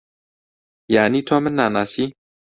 یانی تۆ من ناناسی؟